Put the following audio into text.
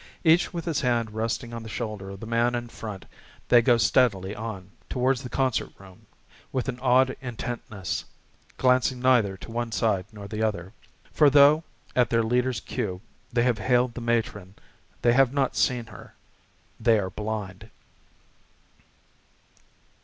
Each with his hand resting on the shoulder of the man in front they go steadily on, towards the concert room, with an odd intentness, glancing neither to one side nor the other. For though, at their leader's cue, they have hailed the Matron, they have not seen her. They are blind.